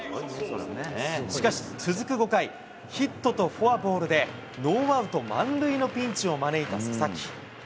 しかし続く５回、ヒットとフォアボールでノーアウト満塁のピンチを招いた佐々木。